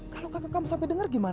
kalau kakak kamu sampe denger gimana